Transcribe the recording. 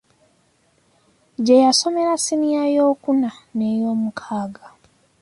Gye yasomera ssiniya eyookuna n’eyoomukaaga.